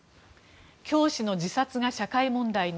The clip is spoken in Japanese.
教師の自殺が社会問題に。